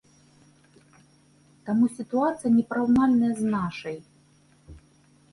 Таму сітуацыя непараўнальная з нашай.